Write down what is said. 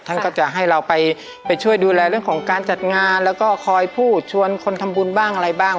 ท่านก็จะให้เราไปช่วยดูแลเรื่องของการจัดงานแล้วก็คอยพูดชวนคนทำบุญบ้างอะไรบ้าง